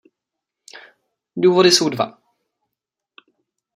Důvody jsou dva.